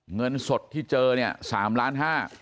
เงินสดที่เจอ๓๕ล้าน